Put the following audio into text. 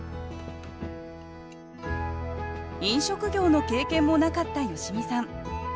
飲食業の経験もなかった吉美さん。